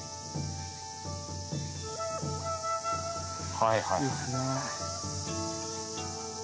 はいはい。